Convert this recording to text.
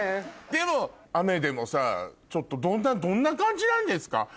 でも雨でもさちょっとどんな感じなんですか？